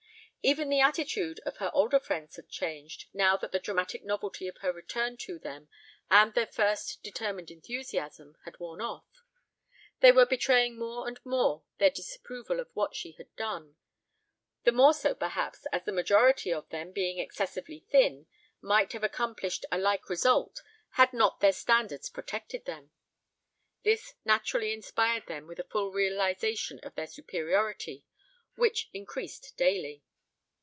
Even the attitude of her older friends had changed, now that the dramatic novelty of her return to them, and their first determined enthusiasm, had worn off. They were betraying more and more their disapproval of what she had done, the more so perhaps, as the majority of them, being excessively thin, might have accomplished a like result had not their standards protected them. This naturally inspired them with a full realization of their superiority, which increased daily.